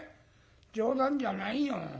冗談じゃないよ。